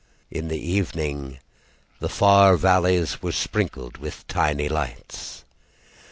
In the evening The far valleys were sprinkled with tiny lights.